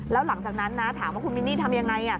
แล้วหลังจากนั้นนะถามว่าคุณมินนี่ทำยังไง